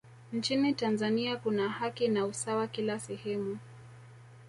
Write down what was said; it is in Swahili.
nchini tanzania kuna haki na usawa kila sehemu